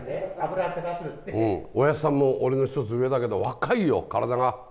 おやっさんも俺の１つ上だけど若いよ体が。